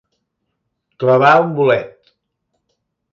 Clavar un bolet.